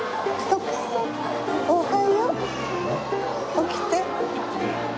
起きて。